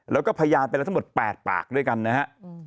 แล้วก็พยานไปแล้วทั้งหมด๘ปากด้วยกันนะฮะ